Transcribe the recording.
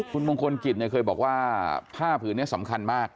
คุณมงคลกิจเคยบอกว่าผ้าผืนนี้สำคัญมาก